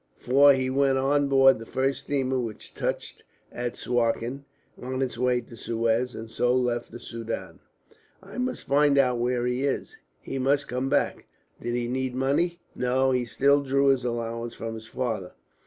For he went on board the first steamer which touched at Suakin on its way to Suez and so left the Soudan." "I must find out where he is. He must come, back. Did he need money?" "No. He still drew his allowance from his father.